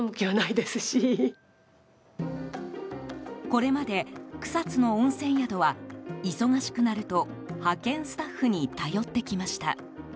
これまで、草津の温泉宿は忙しくなると派遣スタッフに頼ってきました。